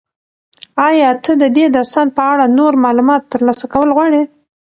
ایا ته د دې داستان په اړه نور معلومات ترلاسه کول غواړې؟